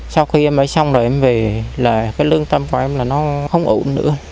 sau khi em mới xong rồi em về là cái lương tâm của em là nó không ổn nữa